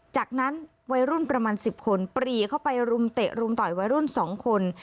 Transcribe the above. จากนั้นวัยรุ่นประมาณ๑๐คนปรีเข้าไปรุมเตะรุมต่อยวัยรุ่น๒คน